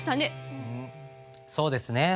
うんそうですね。